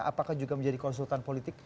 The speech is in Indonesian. apakah juga menjadi konsultan politik